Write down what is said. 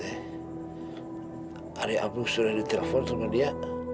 tapi abang sudah ditelepon sama dia